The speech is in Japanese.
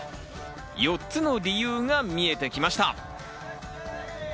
４つの理由が見えてきました。